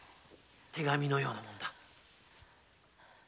手紙のような物だ。